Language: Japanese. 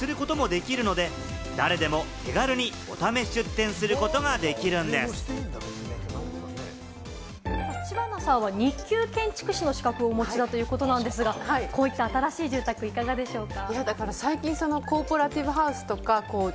実際に営業をすることもできるので、誰でも手軽にお試し出店する知花さんは二級建築士の資格をお持ちだということなんですが、こういった新しい住宅いかがでしょうか？